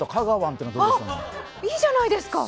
いいじゃないですか。